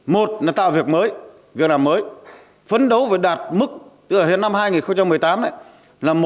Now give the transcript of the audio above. một là tạo việc mới việc làm mới phấn đấu với đạt mức từ năm hai nghìn một mươi tám